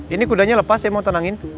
ini kudanya lepas saya mau tenangin